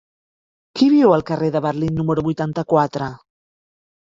Qui viu al carrer de Berlín número vuitanta-quatre?